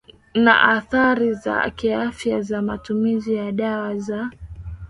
na athari za kiafya za matumizi ya dawa za